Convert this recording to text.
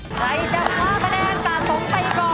ใครจะขอคะแดนต่างผมไปก่อน